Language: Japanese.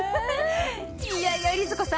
いやいや律子さん